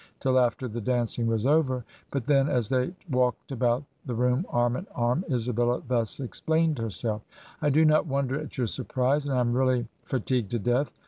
till aiter the dancing was over; but then as they walked about the room arm in arm, Isabella thus explained herself: 'I do not wonder at your surprise, and I am really fa tigued to death.